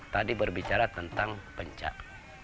tadi berbicara tentang pencak